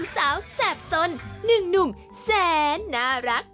สาวแสบสน๑หนุ่มแสนน่ารัก